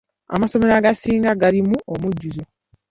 Amasomero agasinga galimu omujjuzo.